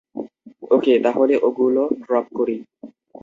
ওকে, তাহলে ওগুলো ড্রপ করি?